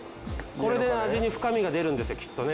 これで味に深みが出るんですよきっとね。